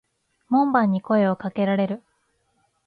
門番に声を掛けられる。